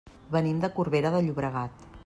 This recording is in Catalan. Venim de Corbera de Llobregat.